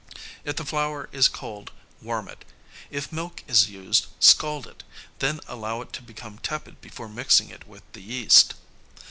If the flour is cold warm it. If milk is used, scald it, then allow it to become tepid before mixing it with the yeast.